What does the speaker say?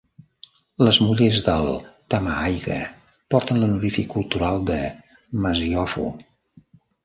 Les mullers del Tama-a-Aiga porten l'honorific cultural de "Masiofo".